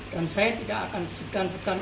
dan saya tidak akan segan segan